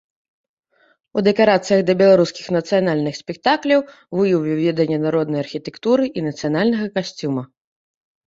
У дэкарацыях да беларускіх нацыянальных спектакляў выявіў веданне народнай архітэктуры і нацыянальнага касцюма.